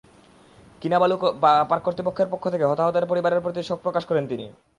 কিনাবালু park কর্তৃপক্ষের পক্ষ থেকে হতাহতদের পরিবারের প্রতি শোক প্রকাশ করেন তিনি।